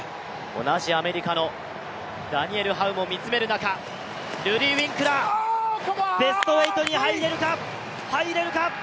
同じアメリカのダニエル・ハウも見つめる中、ルディー・ウィンクラー、ベスト８に入れるか、入れるか！？